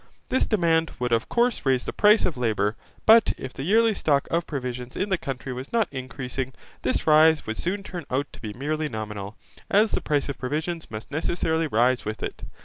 This demand would of course raise the price of labour, but if the yearly stock of provisions in the country was not increasing, this rise would soon turn out to be merely nominal, as the price of provisions must necessarily rise with it.